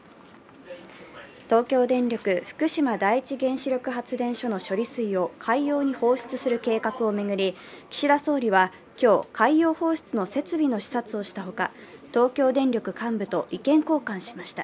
東京電力・福島第一原子力発電所の処理水を、海洋に放出する計画を巡り、岸田総理は今日、海洋放出の設備の視察をしたほか東京電力幹部との意見交換をしました。